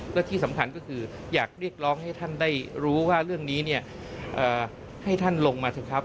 และที่สำคัญก็คืออยากเรียกร้องให้ท่านได้รู้ว่าเรื่องนี้เนี่ยให้ท่านลงมาเถอะครับ